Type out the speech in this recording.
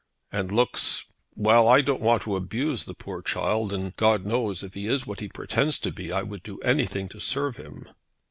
"And looks . Well, I don't want to abuse the poor child, and God knows, if he is what he pretends to be, I would do anything to serve him."